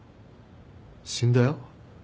死んだよ。